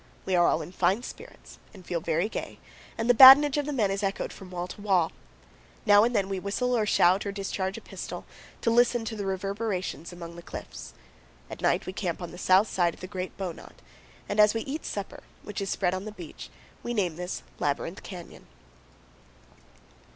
We are all in fine spirits and feel very gay, and the badinage of the men is echoed from wall to wall. Now and then we whistle or shout or discharge a pistol, to listen to the reverberations among the cliffs. At night we camp on the south side of the great Bowknot, and as 204 CANYONS OF THE COLORADO. we eat supper, which is spread on the beach, we name this Labyrinth Canyon.